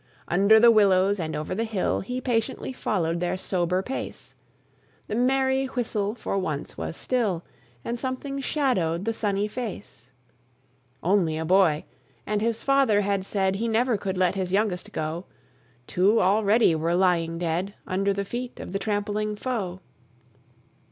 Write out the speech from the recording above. Under the willows and over the hill, He patiently followed their sober pace; The merry whistle for once was still, And something shadowed the sunny face. Only a boy! and his father had said He never could let his youngest go: Two already were lying dead, Under the feet of the trampling foe.